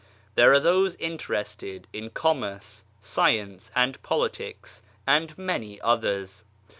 There are those interested in commerce, science, and poli tics, and many others.